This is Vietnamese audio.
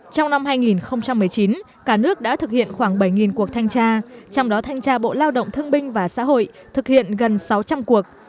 trong năm hai nghìn một mươi chín cả nước đã thực hiện khoảng bảy cuộc thanh tra trong đó thanh tra bộ lao động thương binh và xã hội thực hiện gần sáu trăm linh cuộc